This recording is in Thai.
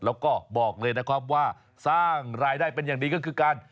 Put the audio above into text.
แล้วก็บอกเลยนะครับว่าสร้างรายได้เป็นอย่างดีก็คือการ